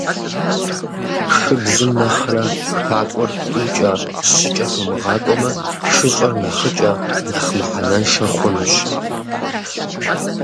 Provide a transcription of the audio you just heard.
Шыбзым нэхърэ хакӏуэр тӏукӏэ-щыкӏэ тумыгъакӏуэмэ, шыщӏэр нэхъыкӏэ, нэхъ мыхьэнэншэ хъунущ.